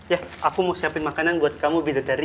ya aku mau siapin makanan buat kamu bita teri